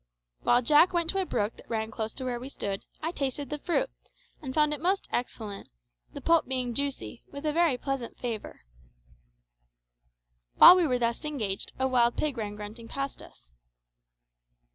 While Jack went to a brook that ran close to where we stood, I tasted the fruit, and found it most excellent, the pulp being juicy, with a very pleasant flavour. While we were thus engaged a wild pig ran grunting past us.